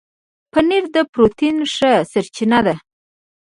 پنېر د پروټين ښه سرچینه ده.